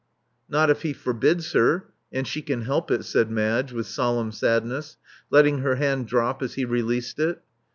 Not if he forbids her — and she can help it," said Madge with solemn sadness, letting her hand drop as he released it.